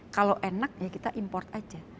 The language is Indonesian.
kalau enak ya kita import aja